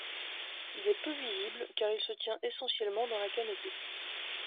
Il est peu visible car il se tient essentiellement dans la canopée.